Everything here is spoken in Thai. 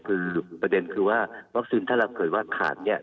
คือประเด็นคือว่าวัคซินถ้าเกิดว่าขาด